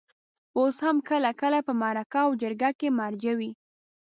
اوس هم کله کله په مرکه او جرګه کې مرجع وي.